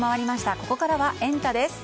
ここからはエンタ！です。